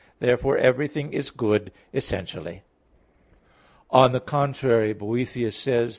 Therefore everything is good essentially. On the contrary, Boethius says (De Hebdom.)